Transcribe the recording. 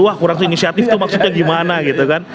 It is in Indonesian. wah kurangnya inisiatif itu maksudnya gimana gitu kan